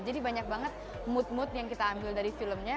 jadi banyak banget mood mood yang kita ambil dari filmnya